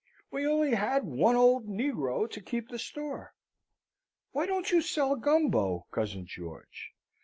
We only had one old negro to keep the store. Why don't you sell Gumbo, cousin George?